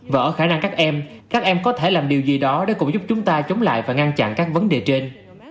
và ở khả năng các em các em có thể làm điều gì đó để cũng giúp chúng ta chống lại và ngăn chặn các vấn đề trên